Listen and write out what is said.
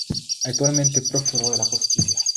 Actualmente prófugo de la justicia.